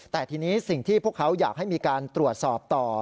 แต่ทีนี้สิ่งที่พวกเขาอยากให้มีการตรวจสอบต่อ